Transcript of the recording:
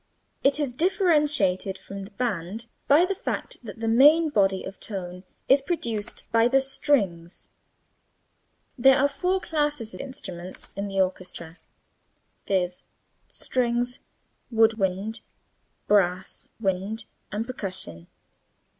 It is differentiated from the band by the fact that the main body of tone is produced by the strings. There are four classes of instruments in the orchestra, viz., strings, wood wind, brass (wind) and percussion.